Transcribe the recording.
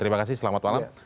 terima kasih selamat malam